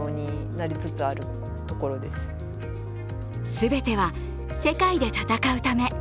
全ては世界で戦うため。